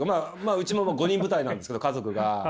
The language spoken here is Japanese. うちも５人部隊なんですけど家族が。